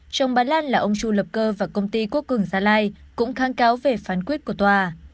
chồng bà lan là ông chu lập cơ và công ty quốc cường gia lai cũng kháng cáo về phán quyết của tòa